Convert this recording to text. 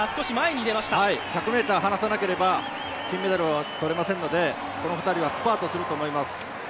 １００ｍ離さなければ金メダル取れませんのでこの２人はスパートすると思います